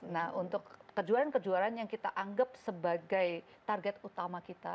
nah untuk kejuaraan kejuaraan yang kita anggap sebagai target utama kita